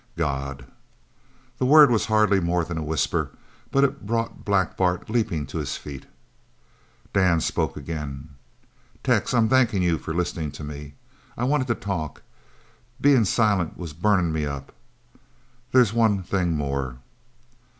"God!" The word was hardly more than a whisper, but it brought Black Bart leaping to his feet. Dan spoke again: "Tex, I'm thankin' you for listenin' to me; I wanted to talk. Bein' silent was burnin' me up. There's one thing more."